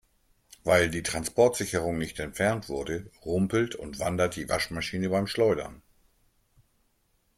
Weil die Transportsicherung nicht entfernt wurde, rumpelt und wandert die Waschmaschine beim Schleudern.